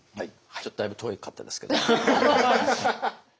ちょっとだいぶ遠かったですけど。